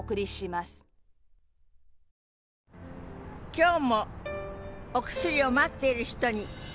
今日もお薬を待っている人に。